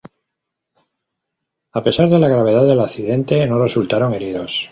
A pesar de la gravedad del accidente, no resultaron heridos.